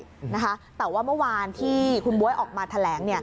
แต่ว่าเมื่อวานที่คุณบ๊วยออกมาแถลง